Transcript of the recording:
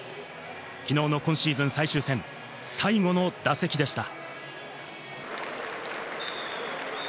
昨日の今シーズン最終戦、最後の打席でした。